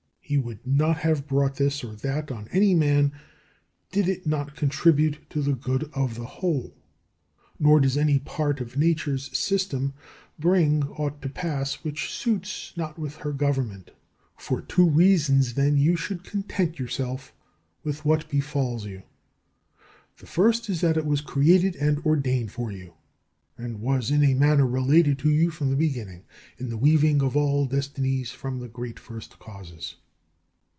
He would not have brought this or that on any man did it not contribute to the good of the whole, nor does any part of Nature's system bring aught to pass which suits not with her government. For two reasons, then, you should content yourself with what befalls you. The first is, that it was created and ordained for you, and was in a manner related to you from the beginning, in the weaving of all destinies from the great first causes.